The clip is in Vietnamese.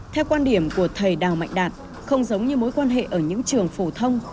theo quan điểm của thầy đào mạnh đạt không giống như mối quan hệ ở những trường phổ thông